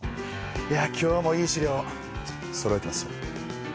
いや今日もいい資料そろえてますよ。